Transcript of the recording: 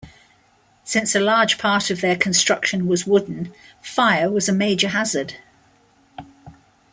Since a large part of their construction was wooden, fire was a major hazard.